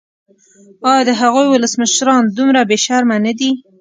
ایا د هغوی ولسمشران دومره بې شرمه نه دي.